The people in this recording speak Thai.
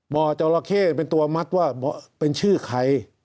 บ่อเจาะละเข้เป็นตัวมัดว่าเป็นชื่อใคร